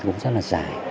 cũng rất là dài